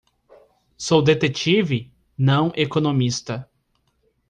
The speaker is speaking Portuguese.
Sou detetive? não economista.